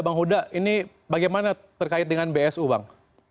bang huda ini bagaimana terkait dengan bsu bang